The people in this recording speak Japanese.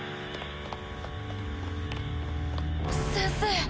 先生。